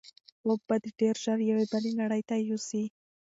خوب به دی ډېر ژر یوې بلې نړۍ ته یوسي.